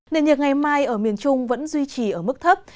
nền nhiệt ngày mai ở miền trung vẫn duy trì ở mức thấp